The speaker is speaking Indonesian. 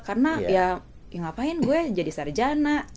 karena ya ngapain gue jadi sarjana